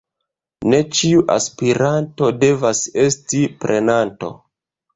Ne ĉiu aspiranto devas esti prenanto.